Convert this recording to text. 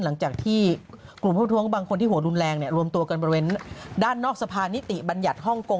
หลังจากที่กลุ่มผู้ท้วงบางคนที่หัวรุนแรงเนี่ยรวมตัวกันบริเวณด้านนอกสะพานนิติบัญญัติฮ่องกง